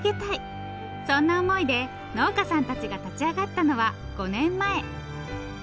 そんな思いで農家さんたちが立ち上がったのは５年前。